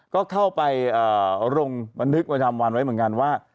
ก็เข้าไปเอ่อรงค์มานึกมาทำวันไว้เหมือนกันว่า